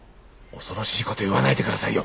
恐ろしい事言わないでくださいよ！